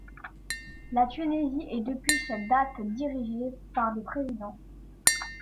La Tunisie est depuis cette date dirigée par des présidents.